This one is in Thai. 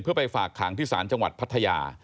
เพื่อไปฝากขังที่ศาลจังหวัดพัทยา